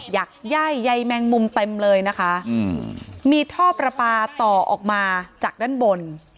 ักย่ายใยแมงมุมเต็มเลยนะคะอืมมีท่อประปาต่อออกมาจากด้านบน